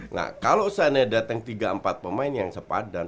nah kalau seandainya datang tiga empat pemain yang sepadan